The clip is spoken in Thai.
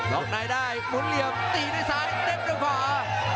ล็อกในได้หมุนเหลี่ยมตีด้วยซ้ายเต็มด้วยขวา